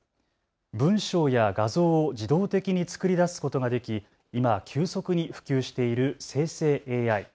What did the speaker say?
文章や画像を自動的に作り出すことができ今急速に普及している生成ＡＩ。